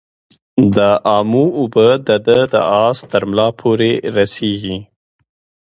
د امو اوبه د ده د آس ترملا پوري رسیږي.